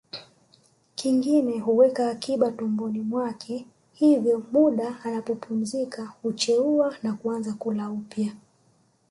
Kingine huweka akiba tumboni mwake hivyo muda anapopumzika hucheua na kuanza kula upya